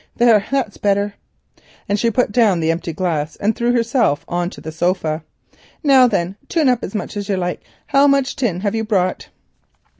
There, that's better," and she put down the empty glass and threw herself on to the sofa. "Now then, tune up as much as you like. How much tin have you brought?"